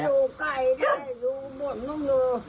ไปดูไก่ได้ดูหมดนุ่ม